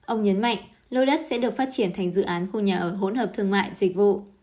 ông nhấn mạnh lô đất sẽ được phát triển thành dự án khu nhà ở hỗn hợp thương mại dịch vụ